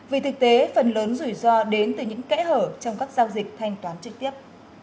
vì thực tế phần lớn rủi ro đến từ những kẽ hở trong các giao dịch thanh toán trực tiếp